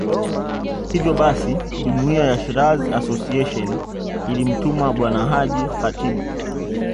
Hivyo basi Jumuiya ya Shirazi Association ilimtuma Bwana Haji Khatibu